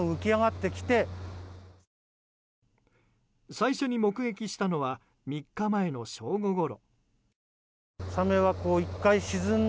最初に目撃したのは３日前の正午ごろ。